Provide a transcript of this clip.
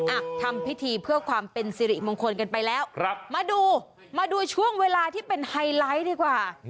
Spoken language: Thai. อ่ะทำพิธีเพื่อความเป็นสิริมงคลกันไปแล้วครับมาดูมาดูช่วงเวลาที่เป็นไฮไลท์ดีกว่า